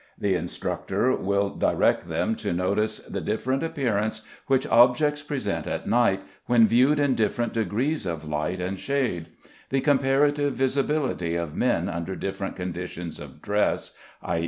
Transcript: The instructor will direct them to notice the different appearance which objects present at night, when viewed in different degrees of light and shade; the comparative visibility of men under different conditions of dress, i.